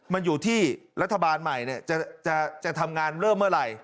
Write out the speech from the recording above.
มันอยู่ที่รัฐบาลใหม่จะทำงานเริ่มเมื่อไหร่